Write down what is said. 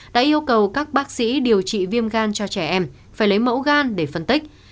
đã yêu cầu các bác sĩ điều trị viêm gan cho trẻ em phải lấy mẫu gan để phân tích